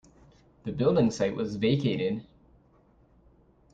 The building site was vacated.